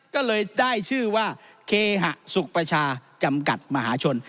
ก็เลยได้ชื่อว่าเคหสุขประชาจำกัดมหาชน